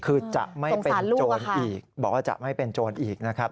คือจะไม่เป็นโจรอีกบอกว่าจะไม่เป็นโจรอีกนะครับ